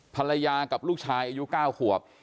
ภรรยากับลูกชายอายุ๙ขวบ